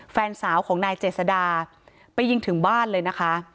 แฟนสาวของนายเจษดาไปยิงถึงบ้านเลยนะคะ